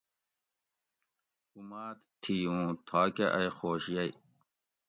اُماد تھی اُوں تھاکہ ائی خوش یئی